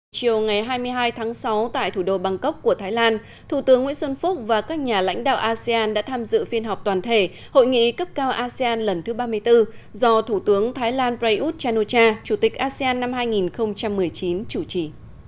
chiều ngày hai mươi hai tháng sáu tại thủ đô bangkok của thái lan thủ tướng nguyễn xuân phúc và các nhà lãnh đạo asean đã tham dự phiên họp toàn thể hội nghị cấp cao asean lần thứ ba mươi bốn do thủ tướng thái lan prayuth chan o cha chủ tịch asean năm hai nghìn một mươi chín chủ trì